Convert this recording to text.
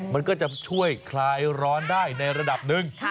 มันก็จะช่วยคลายร้อนได้ในระดับหนึ่ง